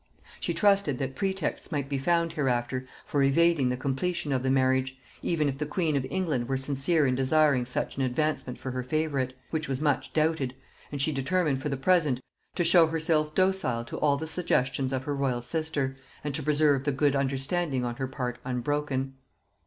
She trusted that pretexts might be found hereafter for evading the completion of the marriage, even if the queen of England were sincere in desiring such an advancement for her favorite, which was much doubted, and she determined for the present to show herself docile to all the suggestions of her royal sister, and to preserve the good understanding on her part unbroken.